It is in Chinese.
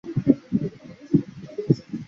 惠侨英文中学一直实行全方位的校本管理。